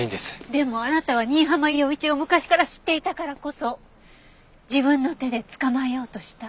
でもあなたは新浜陽一を昔から知っていたからこそ自分の手で捕まえようとした。